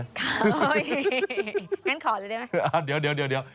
ค่ะงั้นขอเลยได้ไหมอ่ะเดี๋ยว